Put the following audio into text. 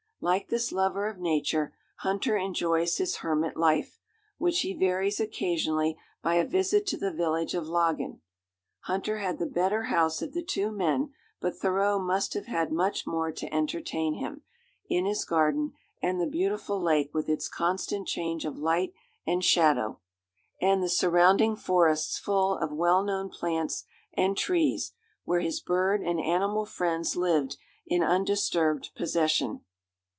Like this lover of nature, Hunter enjoys his hermit life, which he varies occasionally by a visit to the village of Laggan. Hunter had the better house of the two men, but Thoreau must have had much more to entertain him, in his garden, and the beautiful lake with its constant change of light and shadow, and the surrounding forests full of well known plants and trees, where his bird and animal friends lived in undisturbed possession.